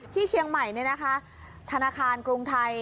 ที่เชียงใหม่ธนาคารกรุงไทย